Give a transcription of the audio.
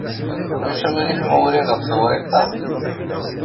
Ulac aɣilif ma uriɣ ɣef tewriqt-a?